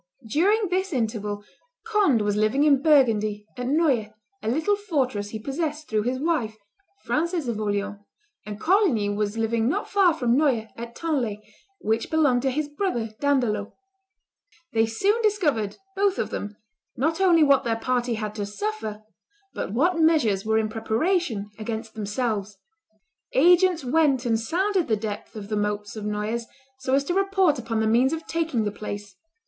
During this interval Conde was living in Burgundy, at Noyers, a little fortress he possessed through his wife, Frances of Orleans, and Coligny was living not far from Noyers, at Tanlay, which belonged to his brother D'Andelot. They soon discovered, both of them, not only what their party had to suffer, but what measures were in preparation against themselves. Agents went and sounded the depth of the moats of Noyers, so as to report upon the means of taking the place.